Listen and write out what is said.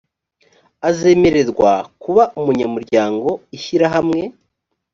azemererwa kuba umunyamuryango ishyirahamwe